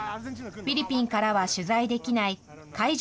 フィリピンからは取材できない会場